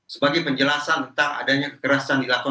sebagai penjelasan tentang adanya kekerasan dilakukan